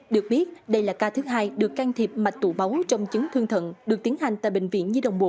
được biết đây là ca thứ hai được can thiệp mạch tủ báu trong chấn thương thận được tiến hành tại bệnh viện nhi đồng một